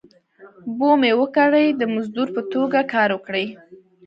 بومي وګړي د مزدور په توګه کار وکړي.